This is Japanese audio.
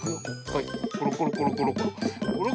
はいコロコロコロコロ。